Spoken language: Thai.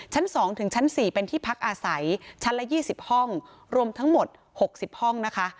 ชั้น๒ถึงชั้น๔เป็นที่พักอาศัยชั้นละ๒๐ห้องรวมทั้งหมด๖๐ห้องนะคะ